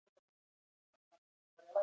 خبره به له شالید څخه پیل کړو